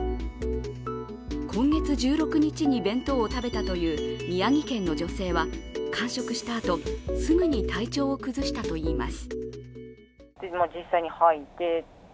今月１６日に弁当を食べたという宮城県の女性は完食したあと、すぐに体調を崩したといいます。